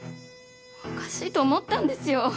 おかしいと思ったんですよ！